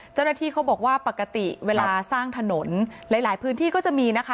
เจ้าหน้าที่เขาบอกว่าปกติเวลาสร้างถนนหลายหลายพื้นที่ก็จะมีนะคะ